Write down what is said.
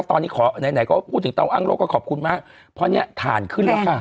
ตอนนี้ขอไหนไหนก็พูดถึงเตาอ้างโลกก็ขอบคุณมากเพราะเนี้ยฐานขึ้นแล้วค่ะ